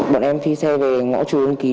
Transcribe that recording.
bọn em phi xe về ngõ trù ứng ký